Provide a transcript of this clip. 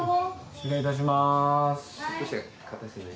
失礼いたします。